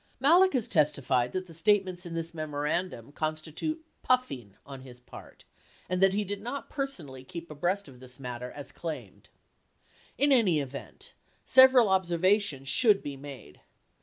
Malek has testified that the statements in this memorandum consti tute "puffing" on his part and that he did not personally keep abreast of this matter as claimed. 90 In any event, several observations should be made.